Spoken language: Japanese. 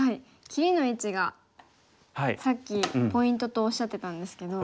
切りの位置がさっきポイントとおっしゃってたんですけど。